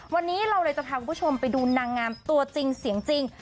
วันนี้เราเลยจะพาคุณผู้ชมไปดูนางงามตัวจริงเสียงจริง